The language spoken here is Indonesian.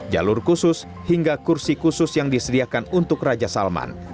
jalur khusus hingga kursi khusus yang disediakan untuk raja salman